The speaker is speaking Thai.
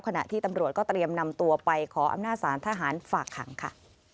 ขณะที่ตำรวจก็เตรียมนำตัวไปขออำนาจสารทหารฝากขังค่ะ